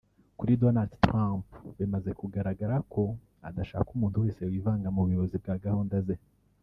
Kuri Donald Trump bimaze kugaragara ko adashaka umuntu wese wivanga mubuyobozi bwa gahunda ze